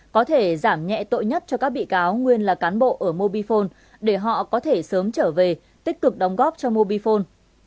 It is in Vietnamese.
có thể giảm nhẹ tội nhất cho các bị cáo nguyên là cán bộ ở mobifone để họ có thể sớm trở về tích cực đóng góp cho mobifone